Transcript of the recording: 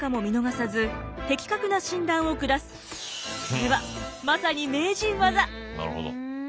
それはまさに名人技。